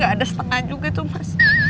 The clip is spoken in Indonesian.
gak ada setengah juga tuh mas